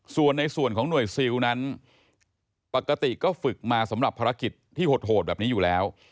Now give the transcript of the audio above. ส่วนในส่วนของหน่วยซิลนั้นปกติก็ฝึกมาสำหรับภารกิจที่โหดแบบนี้อยู่แล้ว